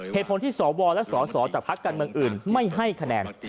เหตุผลที่สวและสสจากพักการเมืองอื่นไม่ให้คะแนน